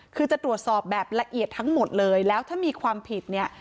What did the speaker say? คือจะตรวจสอบแบบละเอียดทั้งหมดเลยแล้วถ้ามีความผิดเนี่ย